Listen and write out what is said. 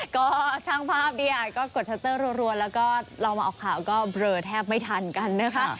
ก็ช่างภาพเนี่ยก็กดชัตเตอร์รัวแล้วก็เรามาออกข่าวก็เบลอแทบไม่ทันกันนะคะ